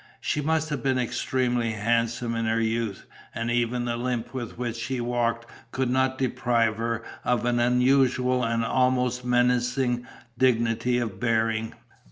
She must have been extremely handsome in her youth; and even the limp with which she walked could not deprive her of an unusual and almost menacing dignity of bearing.